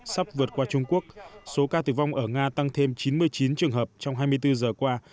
sắp vượt qua trung quốc số ca tử vong ở nga tăng thêm chín mươi chín trường hợp trong hai mươi bốn giờ qua